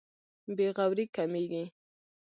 بې غوري کمېږي.